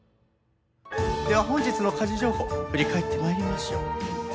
では本日の家事情報振り返って参りましょう。